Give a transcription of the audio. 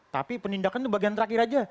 tapi penindakan itu bagian terakhir aja